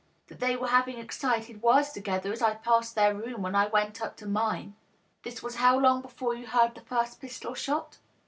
" That they were having excited words together as I passed their room when I went up to mine." " This was how long before you heard the first pistol shot?"